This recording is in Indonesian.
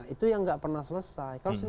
itu yang nggak pernah selesai